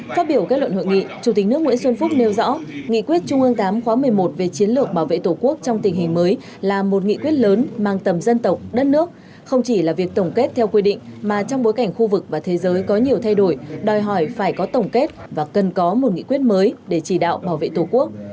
phát biểu kết luận hội nghị chủ tịch nước nguyễn xuân phúc nêu rõ nghị quyết trung ương tám khóa một mươi một về chiến lược bảo vệ tổ quốc trong tình hình mới là một nghị quyết lớn mang tầm dân tộc đất nước không chỉ là việc tổng kết theo quy định mà trong bối cảnh khu vực và thế giới có nhiều thay đổi đòi hỏi phải có tổng kết và cần có một nghị quyết mới để chỉ đạo bảo vệ tổ quốc